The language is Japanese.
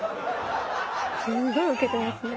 すごいウケてますね。